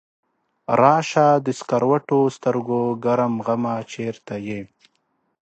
راشه د سکروټو سترګو ګرم غمه چرته یې؟